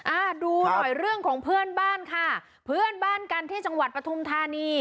อ่าดูหน่อยเรื่องของเพื่อนบ้านค่ะเพื่อนบ้านกันที่จังหวัดปฐุมธานี